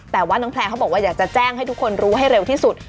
แต่ว่าน้องแพลร์เขาบอกว่าอยากจะแจ้งให้ทุกคนรู้ให้เร็วที่สุด